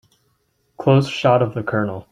Close shot of the COLONEL.